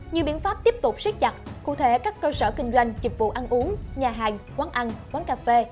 như biện pháp tiếp tục siết chặt cụ thể các cơ sở kinh doanh dịch vụ ăn uống nhà hàng quán ăn quán cà phê